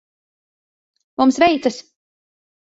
Mums veicas.